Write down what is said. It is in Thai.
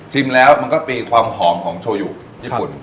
ชิมแล้วมันก็มีความหอมของโชว์อยู่ญี่ปุ่น